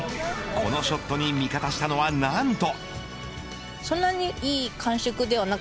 このショットに味方したのは何と。